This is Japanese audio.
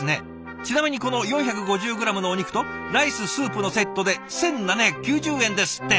ちなみにこの４５０ｇのお肉とライススープのセットで１，７９０円ですって。